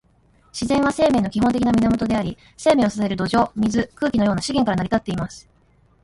自然は、生命の基本的な源であり、生命を支える土壌、水、空気のような資源から成り立っています。